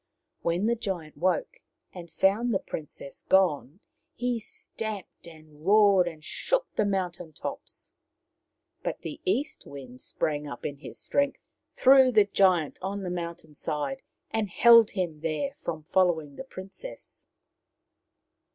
When the giant woke and found the princess gone, he stamped and roared and shook the moun tain tops. But the east wind sprang up in his strength, threw the giant on the mountain side, p 236 Maoriland Fairy Tales and held him there from following the prin cess.